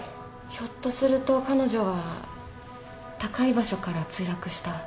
ひょっとすると彼女は高い場所から墜落した。